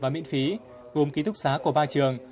miễn phí gồm ký túc xá của ba trường